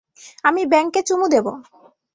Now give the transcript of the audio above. আমি ব্যাঙকে চুমো দেবো।